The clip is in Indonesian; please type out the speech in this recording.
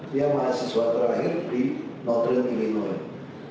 dia mahasiswa terakhir di northern illinois